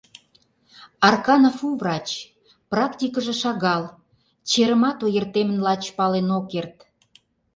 Арканов у врач, практикыже шагал, черымат ойыртемын лач пален ок керт.